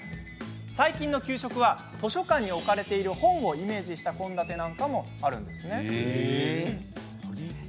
最近の給食は図書館に置かれている本をイメージした献立なんかもあるんです。